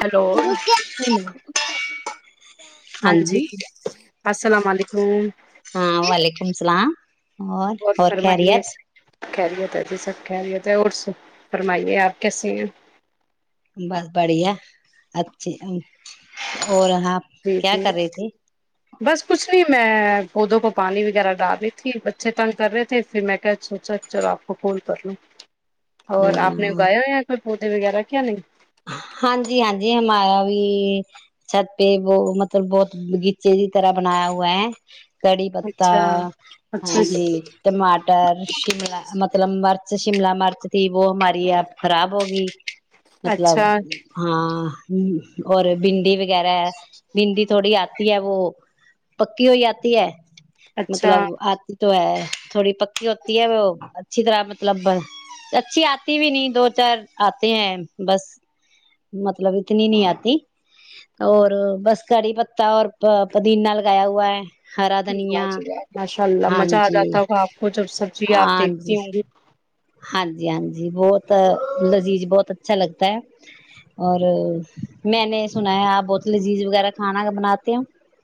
hello ہاں جی السلام علیکم ہاں وعلیکم اسلام اور اور فرمائیے خیریت سب خیریت ہے جی سب خریت ہے اور فرمائیے آپ کیسیے ہیں بس بڑھیا اچھی اور آپ جی کیا جی کر رہے تھے بس کچھ نہیں میں پودوں کو پانی وغیرہ ڈال رہی تھی بچھے تنگ کر رہے تھے پھر میں کہ سوچا چلو آپ کو کوون کر لوں اور آپ نے گایا یا ک پھٹے وغیر کیا نہیں ہاں جی ہاں جی ہمارا بھی چھت پہ ب مطلب بہت بغیچے ج طرح بنایا ہوا ہے کڑی پتتا اچھا ہاں جی ٹماٹر شملہ مطلب مرچ شملہ مرچ تھی وہ ہماری آپ خراب ہوگی مطلب اچھا ہاں ہ اور بھنڈی وغیرہ ہے بھنڈی تھوڑی آتی ہے وہ پکی ہو جاتی ہے اچھا مطلب آتی تو ہے تھوڑی پکی ہوتی ہے وہ اچھی طرح مطلب اچھی آتی بھی نہیں دو چار آتے ہیں بس مطلب اتنی نہیں آتی اور بس کڑی پتا اور پدینہ لگایا ہوا ہے ہرا دھنیا ماشاء اللہ ہاں مزہ آ جی جاتا ہوگا آپ کو جب سبزی آپ ہاں جی دیکھتی ہوں گی ہاں جی ہاں جی بہت لذیذ بہت اچھا لگتا ہے اور میں نے سنا ہے آپ بہت لذیذ وغیرہ کھانا بناتے ہو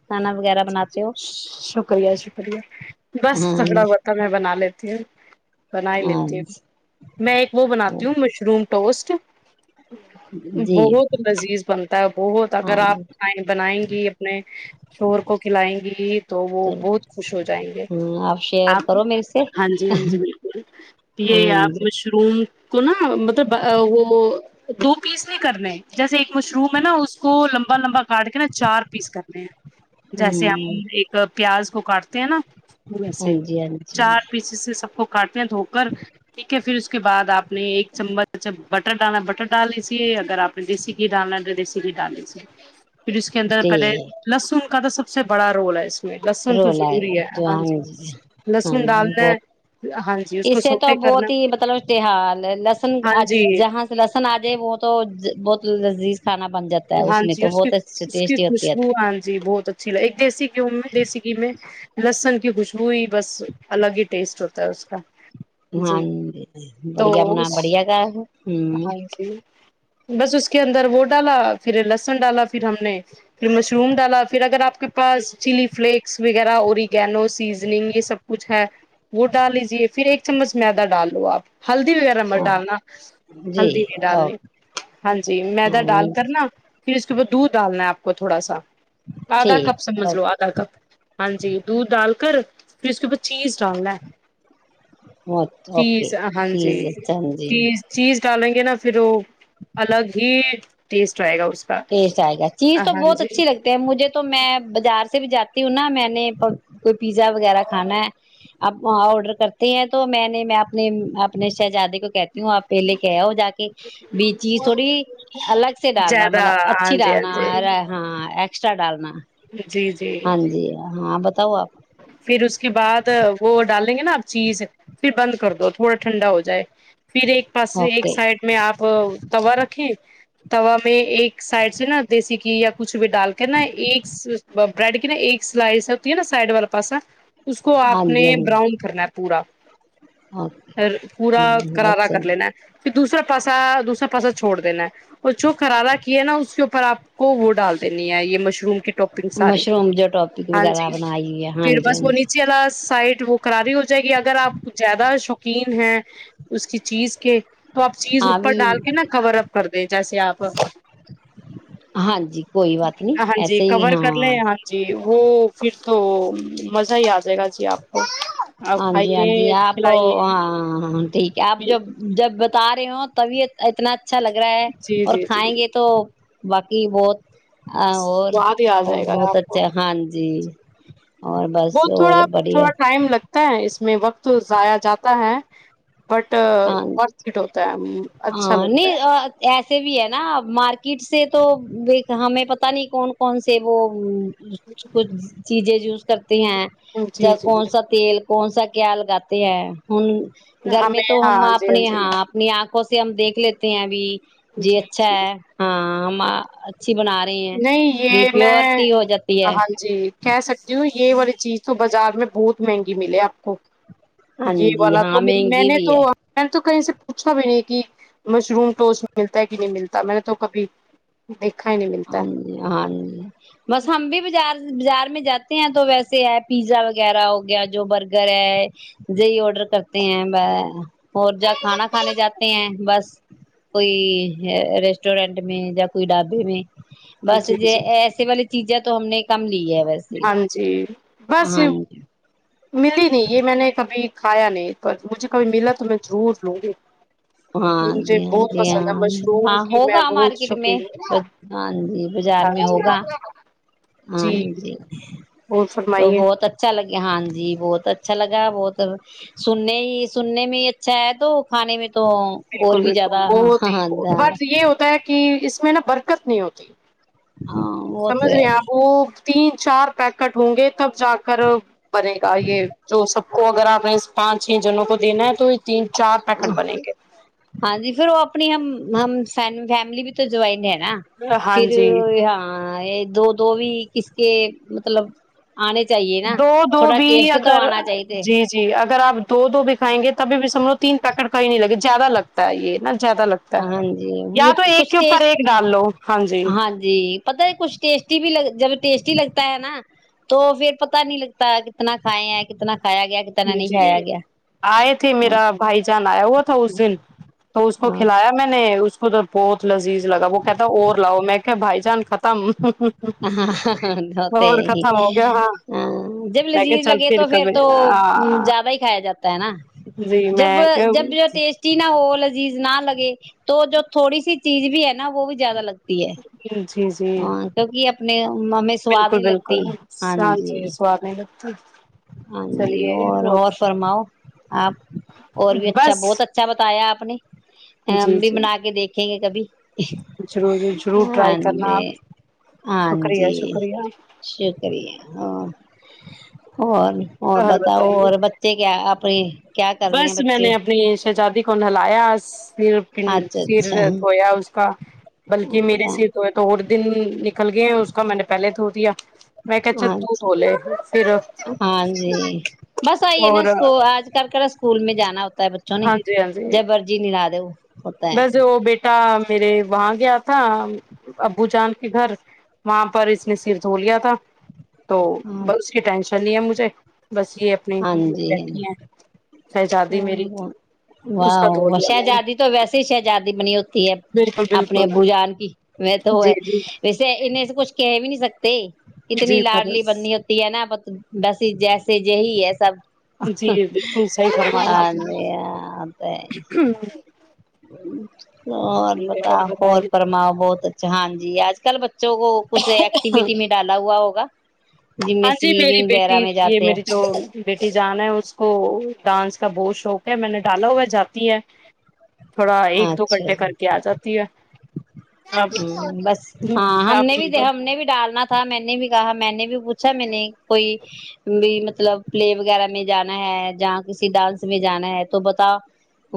کھانا وغیرہ بناتے ہو شکریہ شکریہ بس ہاں جھگڑا ہوتا میں بنا لیتی ہوں بنا ہی ہاں لیتی ہوں میں ایک وہ بناتی ہوں مشروم [unintelligible] ٹوسٹ [unintelligible] جی بہت لذیذ بنتا ہے بہت اگر ہاں آپ جی بنائیں گی اپنے شور کو کو کھلائیں گی تو وہ بہت خوش ہو جائیں گے چلو شیئر آپ کرو میرے سے ہاں جی ہاں جی بالکل یہ ہاں آپ جی مشروم کو نا مطلب وہ دو پیس نہیں کرنے جیسے ایک مشروم ہے نا اس کو لمبا لمبا کاٹ کے نا چار پیس کرنے ہیں جیسے ہ ہم ایک پیاز کو کاٹتے ہیں نا [unintelligible] ہاں سے جی ہاں جی چار پیس سے سب کو کاٹنا دھو کر ٹھیک ہے پھر اس کے بعد آپ نے ایک چمچ بٹر ڈالنا بٹر ڈال لیی اگر آپ نے دیسی گھی ڈالنا ہے تو دیسی گھی ڈال دی پھر اس کے اندر ٹی پہلے لہسن [unintelligible] کا تو سب سے بڑا رول ہے اس میں لسن تو ضروری ہے ہاں جی ہاں لسن جی ڈالنا ہے بہت ہاں ج [unintelligible] اس سے تو بہت ہی مطلب تحال لسن ہاں آج جی جہاں سے لسن آ جائے وہ تو بہت نزدی [unintelligible] ہاں جی اس کی اس کی ٹیسٹی ہوتی ہے خوشبو ہاں جی بہت اچھی لگ ایک دیسی گیہوں میں دیسی گ میں لسن خوشبو ہی بس الگ ہی ٹیسٹ ہوتا ہے اس کا ہاں جی ج تو بڑھیا بنا اس بڑیا گ ہ ہاں جی بس اس کے اندر وہ ڈالا [unintelligible] پھر لہسن ڈالا پھر ہم نے پھر مشروم ڈالا پھر اگر آپ کے پاس چلی فلیکس وغیرہ اوریگینو سیزنگ یہ سب کچھ ہے وہ ڈال لیجے پھر ایک چمچ میدا ڈال لو آپ ہلدی وغیرہ مر ہاں ڈالنا جی ہلدی نہیں ڈالنی اوکے ہاں جی مییدا ڈال کرنا اس کے بع دودھ ڈالنا ہے آپ کو تھوڑا سا آدھا کپ ٹھیک سمجھ لو آدھا کپ ہاں جی دودھ ڈال کر پھر اس کے پ [unintelligible] چیز ڈالنا اوکے اوکے چیز ہاں جی چیز اچھا جی چیز چیز ڈالیں گے نا پھر وہ [unintelligible] الگ ہی [unintelligible] یس [unintelligible] جائے گا [unintelligible] ٹیسٹ آئے گا چیز تو ہاں جی بہت اچھی لگتی ہے مجھے تو میں بازار سے بھی جاتا ہوں نا میں نے کوئی پیزا وغیرہ کھانا ہے اب آڈر کرتے ہیں تو میں نے میں اپنے اپنے شہزادے کہتی ہوں آپ پہلے کہ ہو جا کے بی چیز تھوڑی الگ سے ڈالنا زیادہ مطلب ہاں اچھی جی ہاں جی ڈالناے ہاں [unintelligible] ایکسٹرا ڈالنا [unintelligible] ہاں جی ہاں بتاؤ آپ پھر اس کے بعد وہ ڈالیں گے نا آپ چیز پھر بند کر دو تھوڑا ٹھنڈا ہو جائے پھر ایک پاس ایک اوکے سائڈ میں آپ توا رکھیں توا میں ایک سائڈ سے نا دیسی گھی یا کچھ بھی ڈال کے نا ایک بریڈ کی نا ایک سلائس ہوتی ہے نا سائڈ والا پس [unintelligible] اس کو ہاں آپ نے جی ہاں جی براؤن کرنا ہے پورا اوکے پورا کرارا اچھا کر لینا ہے جی پھر دوسرا پاسا دوسرا پاسا چھوڑ دینا ہے اور جو کرارا کیا ہے نا اس کے اوپر آپ کو وہ ڈال دینی ہے یہ مشہور مشروم جو ٹوپک وغیرہ جی بنائی ہے ہاں پھر جی بس ہاں وہ جی نیچیء ال سائڈ وہ کراری ہو جائے گی اگر آپ زیادہ شوقین ہیں اس کی چیز کے تو آپ چیز ہاں اوپر بھی ڈال کے نا کور اپ کر دیں جیسے آپ ہاں جی کوئی بات نہیں ہاں جی ایسے ہی کور کر لے ہاں جی وہ پھر تو مزہ ہی آ جائے گا جی آپ کو آپ ہاں جی ہاں جی کھائیے آپ کھلائیے ہاں ہاں ٹھیک کہ آپ جب جب بتا رہے ہو تبھی اتنا اچھا لگ رہا ہے جی اور جی جی کھائیں گے تو باقی بہت ہ اور سواد ہی آ اور جائے گا بہت اچھا ہاں جی [inaudible] بس بت تھوڑا اور بڑھیا تھوڑا ٹائم لگتا ہے اس میں میں وقت ضایا جاتا ہے ہاں بٹورتھ اٹ ہوتا ہے اچھا لگتا ہے ایے بھی ہے نا مارکیٹ سے تو ہمیں پتا نہیں کون کون سے وہ کچھ چیزیں یوز کرتے ہیں ہے جی جب جی کون سا تیل کون سا کیا لگاتے ہیں ہن گر میں ہمیں تو ہم ہاں جی اپنی جی ہاں اپنی آنکھ آنکھوں سے ہم دیک لیتے ہیں ابھی جی اچھا ہے ہاں میں نہیں یہ میں ہو جاتی ہے ہاں جی کہہ سکتی ہوں یہ والی چیز تو بازار میں بہت مہنگی ملے آپ کو ہاں جی والا ہاں تو میں مہنگی نے بھی تو ہے [unintelligible] تو کہیں سے پوچھا بھی نہیں کہ مشروم توٹ اس ملتا ہے کہ نہیں ملتا میں نے تو کبھی دیکھا ہی نہیں ملتا [unintelligible] ہاں ج ہاں جی بس ہممب بھی بازار [unintelligible] بازار میں جاتے ہیں تو ویسے ہے پیزا وغیرہ ہو گیا جو برگر ہے یہی آڈر کرتے ہیں اور جا کھانا کھانے جاتے ہیں بس کوئی ریسٹورینٹ میں یا کوئی ڈھابے میں ہے بس جی ج جی ایسے والے [unintelligible] چیزیں تو ہم نے کم [unintelligible] ویسے ہاں جی بس ہاں ملی نہیں یہ میں نے کبھی کھایا نہیں پر مجھے کبھی ملا تو میں ضرور لوں گی ہاں مجھے جی ہاں بہت جی پسند ہے ہاں مشروم ہاں کی میں ہوگا بہت مارکیٹ میں شوقین ہوں ہاں جی بازار میں ہوگا [unintelligible] ہاں جی اور تو فرمائیے بہت اچھا لگا [unintelligible] ہاں جی بہت اچھا لگا بہت سننے ہی سننے میں ہی اچھا ہے تو کھانے میں تو بالکل اور بھی بالکل زیادہ بہت ہی ہاں بہت ب ہاں یہ ہوتا ہے کہ اس [unintelligible] میں نا برکت نہیں ہوتی وہ تو سمج رہی ہے آپو [unintelligible] تین چار پیکٹ ہوں گے تب جا کر بنے گا یہ جو سب [unintelligible] کو اگر آپ نے پانچ چھ جنوں کو دینا ہے تو تین چار ا پیکٹ بنیں گے ہاں جی پھر وہ [unintelligible] اپنی ہم ہم س فیملی بھی تو جوائن ہیں ہاں پھر جی ہاں [unintelligible] ہاں یہ دو دو بھی کس کے مطلب آنے چاہیے نا دو دو تھوڑا بھی ٹیسٹ تو اگر آنا چاہیے جی جی اگر آپ دو بھیکھائیں گے تبھی بھی سم لو تین پیکٹ ک ہی نہیں لگے زیادہ لگتا ہے یہ نا زیادہ لگتا ہے ہاں جی وہ یا تو ایک کچھ کے س اوپر ایک ڈال لو ہاں جی ہاں جی پتا ہے کچھ ٹیسٹی بھی لگ [unintelligible] جب ٹیسٹی لگتا ہے نا تو پھر پتا نہیں لگتا کتنا کھائے ہیں کتنا کھایا گیا کتنا نہیں مجھے کھایا گیا آئے تھے میرا بھائی جان آیا ہوا تھا اس دن تو اس کو ہاں کھلایا میں نے [unintelligible] کدھر بہت لذیذ لگا وہ کہتا اور لاؤ میں کہ بائی جانس ختم ہاںتے اور ہی ختم ہو گیا ہ ہاں جب میں کہ لذیذ چل لگے تو پھر کبھی تو تو ہاں زیادہ ہی کھایا جاتا ہے ہے نا جی جب میں جب جو ٹیسٹی نا وہ [unintelligible] چیز نہ لگے تو جو تھوڑی سی چیز بھی ہے نا وہ بھی زیادہ لگتا ج جی جی [unintelligible] کہ اپنے ہمیں سواد بالکل نہیں لگتی بالکل ہاں جی [unintelligible] سواد نہیں لگتا ہاں جی اور اور چلیے فرماؤ آپ اور بھی اچھا بس بہت اچھا بتایا آپ ا جی امبی جی بنا کے دیکھ [unintelligible] رھیں گے کبھی [unintelligible] ضرور ضرور ہاں ٹرائی کرنا جی آپ ہاں شکریہ جی شکریہ شکریہ ہ اور اور بتاؤ اور بچے کیا [unintelligible] آپری [unintelligible] بس میں نے اپنی [unintelligible] شہزادی کون ہلاایا رن اچھا سر اچھا دھویا اس کا بلکہ میرے سر دھویا تو اور دن نکل گئے ہیں اس کا میں نے پہلے دھو دیا میں کہ چل تو اچھا دھو لے پھر ہاں جی بس آئی ہے ن اور سکول آج [unintelligible] کر کر اسکول میں جانا ہوتا [unintelligible] تا بچوں نہیں ج مرضی نہیں لا د وہ [unintelligible] بس وہ بیٹا [unintelligible] میرے وہاں گیا تھا ابو جان کے گھر وہاں پر اس نے سر دھو لیا تھا تو ب اس کی اچھا ٹینشن نہیں ہے مجھے بس یہ اپنی بیٹھی ہیں شہزادی میری ہ و اس کا دھو لیا وشا میں نے جادی [unintelligible] تو ویس ہی شہ جدہ بنی ہوتی ہے بالکل اپنے بالکل ابو جان کی و تو وہ جی ہے جی ویسے انیں سے کچھ کہ بھی نہیں سکتے [unintelligible] اتنی جی لاڈلی فرض بننی ہوتی ہے نا بس جیسے یہ ہی ہے سب [unintelligible] جی بالکل صحیح ب آے [unintelligible] ہاں [unintelligible] ہ [unintelligible] اور بتا ہو بتائیے پرماؤ بہت ہاں جی اج کل بچ بچوں کو کھ ایکٹیویٹی میں ڈالا ہوا و [unintelligible] ہاں جی میری بیٹی یہ میری جو بیٹی جان ہے اس کو ڈانس کا بہت شوق ہے میں نے ڈالا ہوا جاتی ہے تھوڑا ہیں ایک دو اچھا گھنٹے جی کر کے آ جاتی ہے ہ بس س میں نے بھی کہا میں نے بھی بھی پوچھا میں نے کوئی بھی مطلب پلے وغیرہ میں جانا ہے جہ کسی ڈانس میں جانا ہے تو بتا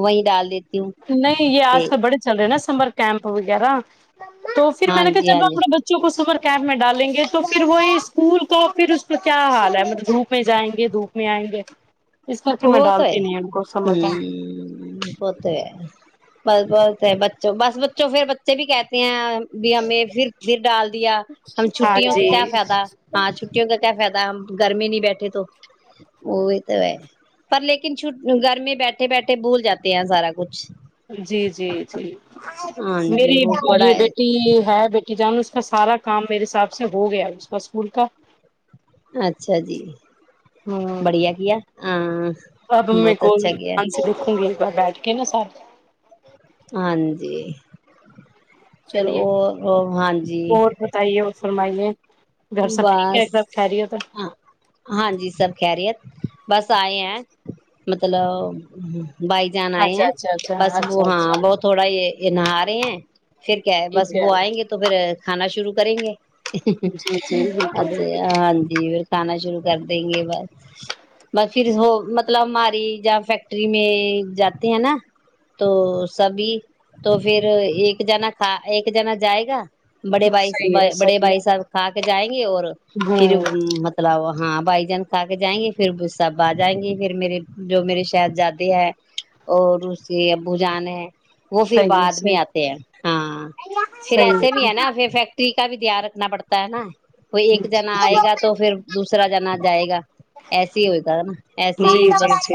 وہیں ڈال دیتی ہوں نہیں یہ آج کل بڑے چل رہے ہیں نا سمر کیمپ یارہ [unintelligible] تو پھر میں ہاں نے کہا جی جب ہاں جی اپنے بچوں کو صبر [unintelligible] کیمپ میں ڈالیں گے تو پھر وہی اسکول کو پھر اس پ کیا حال ہے مطلب دھوپ میں جائیں گے دھوپ میں آئیں گے اس کر کے ہو میں وہ تو ہے ڈالتی نہیں ان کو سمر ہ ہوت ہے بس بس ہے بچوں بس بچوں پھر بچے بھی کہتے ہیں بھی ہمیں پھر پھر ڈال دیا ہم کیمپ ہاں چھٹیوں کا جی کیا فائدہ ہاں چھٹیوں کا کیا فائدہ ہم گرمی نہیں بیٹھے تو وہ بھی تو ہے [unintelligible] پر لیکن چ گھر میں بیٹھے بیٹھے بھول جاتے ہیں سارا کچھ جی جی جی ہاں جی میری وہ پڑھائی بیٹی ہے بیٹی جان اس کا سارا کام میرے حساب سے ہو گیا اس کا اسکول کا اچھا جی ہوں بڑھیا کیا ہے ہاں [unintelligible] اب میر بہت کو اچھا کیا آان سے دیکھوں گے بیٹھ کے نا سار [unintelligible] ہاں جی چلیے چلو اور ہاں جی اور بتائیے اور فرمائیے گھر سب ٹھیک ہے بس ایک دم خیریت ہے ہ ہاں جی سب کہریی ہےت بس آ ہیں مطلب بائی جان آئے اچھا ہیں اچھا اچھا بس وہ اچھا ہاں اچھا وہ تھوڑا یہ یہ نہ آ رہے ہیں [unintelligible] پھر کیا ہے بس وہ آئیں گے تو پھر کھانا شروع [unintelligible] کریں گے [unintelligible] جی جی بالکل اچھے بالکل ہاں جی [unintelligible] کھانا شروع کر دیں گے بس بس پھر ہو مطلب ہماری جہ فیکٹری میں جاتے ہیں نا تو سبھی تو پھر ایک جنا کھا ایک جنا جائے گا [unintelligible] بڑے بائی صحیح ب ہے بڑے صحیح بائی صاب [unintelligible] آ جائے [unintelligible] اور ہے فھر ہوں مطلب [unintelligible] ہاں بھائی جان کھا کے جائیں گے پھر وہ سب آ جائیں گے پھر میرے جو میرے شہزادے ہیں اور اس کے ابو جان ہے [unintelligible] وہ پھر صحیح ہے بعد میں صحیح آتے ہیں ہاں پھر ایسے بھی ہے نا پھر فیکٹری [unintelligible] کا دیاان رکھنا پڑتا [unintelligible] تا ہے نا [unintelligible] کوئی ایک جی جنا جی آئے گا تو پھر دوسرا جنا جائے گا ایس ہی ہوئے گا ہے نا جی ایسی ہی جی بس جی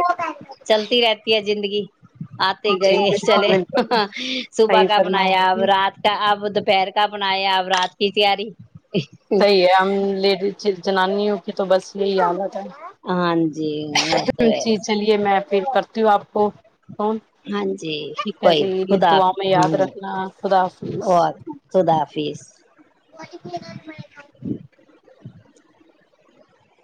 چلتی رہتی ہے زندگی [unintelligible] آتے جی گئے بالکل چلے بالکل صبح صحیح کا فرمایا بنایا اب رات کا اب [unintelligible] پہیر کا بنایا اب رات کی تیاری [unintelligible] صحیح ہے ہم لیڈیز [unintelligible] جنانیوں کی تو بس یہی عدت [unintelligible] ہاں جی وہ تو ہے [unintelligible] جی چلیے میں پھر کر [unintelligible] تی آپ کو کون ہاں جی ٹھیک ہے کوئی جی یہ خدا دعا حافظ، میں ہاں یاد رکھنا خدا حافظ اور [unintelligible] خدا حافظ و پ ل گ میں [unintelligible]